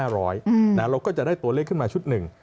เราก็จะได้ตัวเลขขึ้นมาชุดหนึ่ง